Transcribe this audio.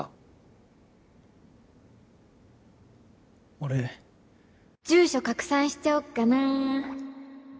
俺住所拡散しちゃおっかな